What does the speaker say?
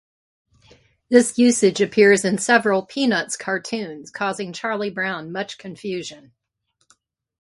This usage appears in several "Peanuts" cartoons, causing Charlie Brown much confusion.